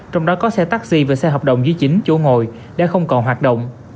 trong đó có xe taxi và xe hợp đồng dưới chín chỗ ngồi đã không còn hoạt động